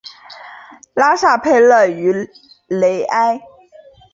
拉沙佩勒于雷埃。